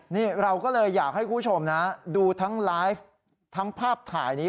นี่เราก็เลยอยากให้คุณผู้ชมนะดูทั้งไลฟ์ทั้งภาพถ่ายนี้